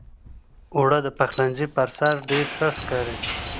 اوړه د پخلنځي پر سر ډېر ښه ښکاري